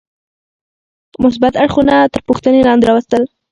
مثبت اړخونه تر پوښتنې لاندې راوستل.